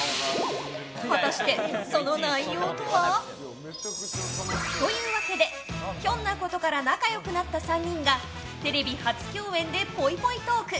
果たして、その内容とは？というわけで、ひょんなことから仲良くなった３人がテレビ初共演でぽいぽいトーク！